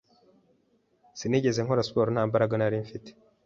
sinigeraga nkora sport, nta mbaraga nabaga mfite